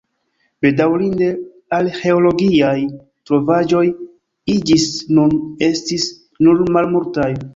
Bedaŭrinde arĥeologiaj trovaĵoj ĝis nun estis nur malmultaj.